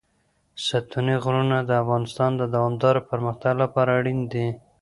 ستوني غرونه د افغانستان د دوامداره پرمختګ لپاره اړین دي.